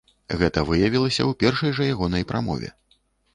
Гэта выявілася ў першай жа ягонай прамове.